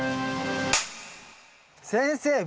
先生